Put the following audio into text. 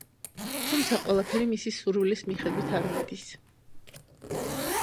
თუმცა ყველაფერი მისი სურვილის მიხედვით არ მიდის.